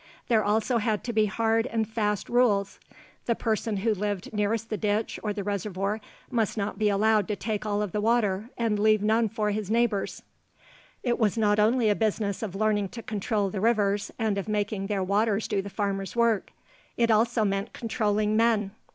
There also had to be hard and fast rules. The person who lived nearest the ditch or the reservoir must not be allowed to take all the water and leave none for his neighbors. It was not only a business of learning to control the rivers and of making their waters do the farmer's work. It also meant controlling men.